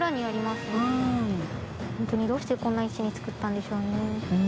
ホントにどうしてこんな位置に造ったんでしょうね。